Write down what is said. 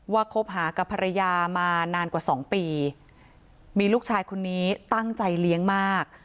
คบหากับภรรยามานานกว่าสองปีมีลูกชายคนนี้ตั้งใจเลี้ยงมาก